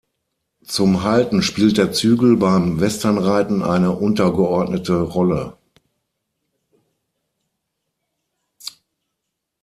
Zum Halten spielt der Zügel beim Westernreiten eine untergeordnete Rolle.